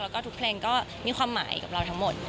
แล้วก็ทุกเพลงก็มีความหมายกับเราทั้งหมด